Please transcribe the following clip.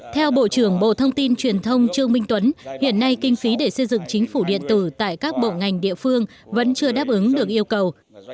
theo bộ trưởng bộ thông tin truyền thông trương minh tuấn hiện nay kinh phí để xây dựng chính phủ điện tử tại các bộ ngành địa phương vẫn chưa đáp ứng được yêu cầu